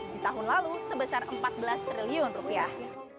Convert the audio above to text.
di tahun lalu sebesar empat belas triliun rupiah